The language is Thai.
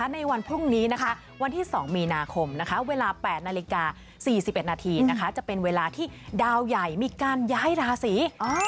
ในวันพรุ่งนี้วันที่๒มีนาคมเวลา๘นาฬิกา๔๑นาทีจะเป็นเวลาที่ดาวใหญ่มีการย้ายราศี